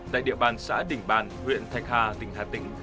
tại địa bàn xã đình bàn huyện thạch hà tỉnh hà tĩnh